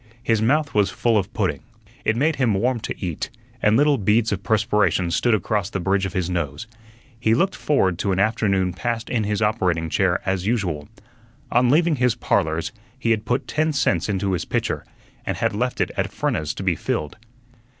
His mouth was full of pudding. It made him warm to eat, and little beads of perspiration stood across the bridge of his nose. He looked forward to an afternoon passed in his operating chair as usual. On leaving his "Parlors" he had put ten cents into his pitcher and had left it at Frenna's to be filled.